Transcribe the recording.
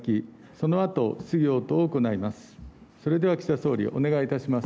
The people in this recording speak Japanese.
そのあと質疑応答を行います。